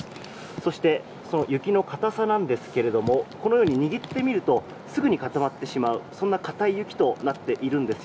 そして、雪の硬さですが握ってみるとすぐに固まってしまうそんな固い雪になっています。